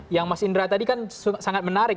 yang mas indra tadi kan sangat menarik